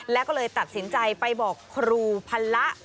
แล้วก็เลยตัดสินใจไปบอกครูพันละ